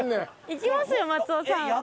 行きますよ松尾さん。